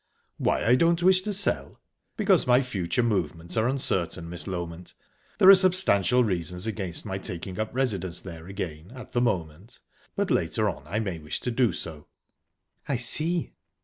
"Why I don't wish to sell? Because my future movements are uncertain, Miss Loment. There are substantial reasons against my taking up residence there again at the moment, but later on I may wish to do so." "I see."